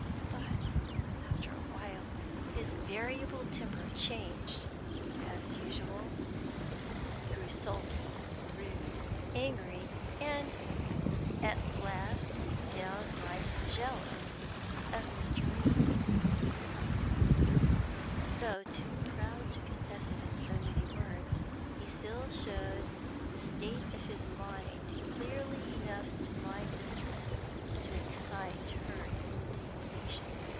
But, after a while, his variable temper changed, as usual. He grew sulky, rude, angry, and, at last, downright jealous of Mr. Meeke. Though too proud to confess it in so many words, he still showed the state of his mind clearly enough to my mistress to excite her indignation.